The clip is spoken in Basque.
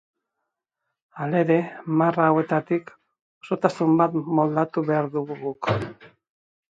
Halere, marra hauetatik osotasun bat moldatu behar dugu guk.